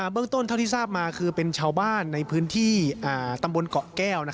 เรื่องต้นเท่าที่ทราบมาคือเป็นชาวบ้านในพื้นที่ตำบลเกาะแก้ว